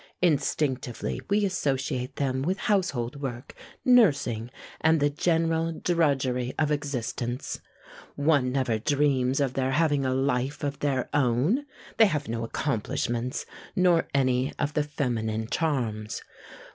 Instinctively we associate them with household work, nursing, and the general drudgery of existence. One never dreams of their having a life of their own. They have no accomplishments, nor any of the feminine charms.